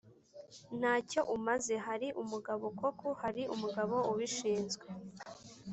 Nta cyo umaze Hari umugabo koku hari umugabo ubishinzwe